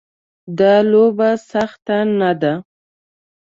دا لوبه سخته نه ده.